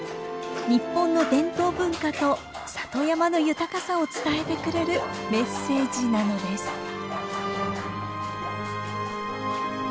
日本の伝統文化と里山の豊かさを伝えてくれるメッセージなのです。